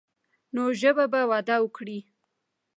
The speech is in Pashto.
نو ژبه به وده وکړي.